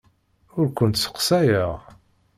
Ur kent-sseqsayeɣ.